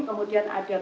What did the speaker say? kemudian ada banses